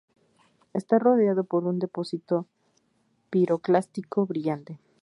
Está rodeado por un depósito piroclástico brillante.